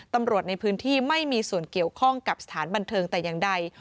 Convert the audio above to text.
ตำรวจในพื้นที่ไม่มีส่วนเกี่ยวข้องกับสถานบันเทิงแต่อย่างใด